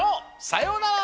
さようなら。